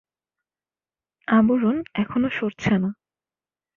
আবরণ এখনো সরছে না।